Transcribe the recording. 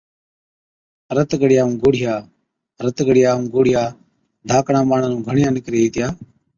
رت ڳڙِيا ائُون گوڙهِيا Boils and Sores، رت ڳڙِيا ائُون گوڙهِيا ڌاڪڙان ٻاڙان نُون گھڻِيان نڪري هِتِيا۔